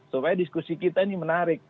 supaya diskusi kita ini menarik